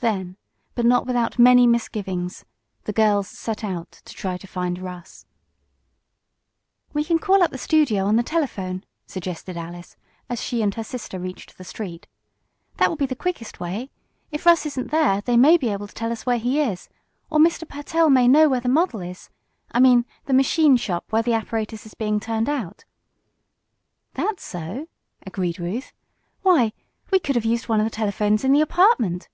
Then, but not without many misgivings, the girls set out to try to find Russ. "We can call up the studio on the telephone," suggested Alice, as she and her sister reached the street. "That will be the quickest way. If Russ isn't there they may be able to tell us where he is, or Mr. Pertell may know where the model is I mean the machine shop where the apparatus is being turned out." "That's so," agreed Ruth. "Why, we could have used one of the telephones in the apartment!"